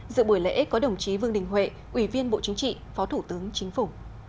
dự buổi lễ có đồng chí vương đình huệ ủy viên bộ chính trị phó thủ tướng chính phủ